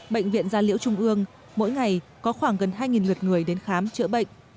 bệnh viện gia liễu trung ương mỗi ngày có khoảng gần hai lượt người đến khám chữa bệnh